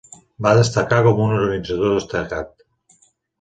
Va destacar com un organitzador destacat.